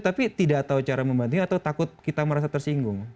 tapi tidak tahu cara membantunya atau takut kita merasa tersinggung